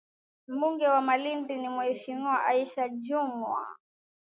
Mbunge wa Malindi ni Mheshimiwa Aisha Jumwa.